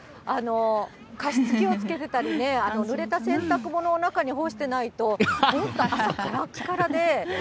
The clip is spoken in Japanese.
加湿器をつけてたりね、ぬれた洗濯物を中に干してないと、朝からっからで。